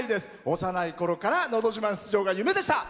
幼いころから「のど自慢」出場が夢でした。